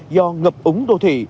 do ngập ủng đô thị